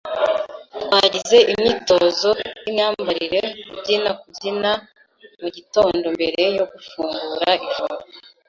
Twagize imyitozo yimyambarire kubyina kubyina mugitondo mbere yo gufungura ijoro.